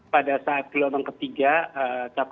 pada saat gelombang ketiga